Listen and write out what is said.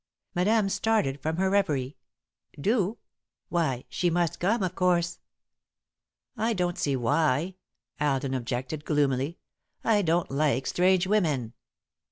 Madame started from her reverie. "Do? Why, she must come, of course!" "I don't see why," Alden objected, gloomily. "I don't like strange women."